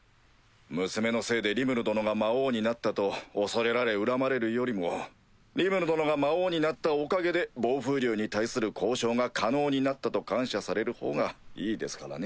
娘のせいでリムル殿が魔王になったと恐れられ恨まれるよりもリムル殿が魔王になったおかげで暴風竜に対する交渉が可能になったと感謝されるほうがいいですからね。